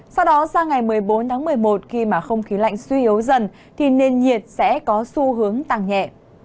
sau đó sang ngày một mươi bốn tháng một mươi một khi mà không khí lạnh suy yếu dần thì nền nhiệt sẽ có xu hướng tăng nhẹ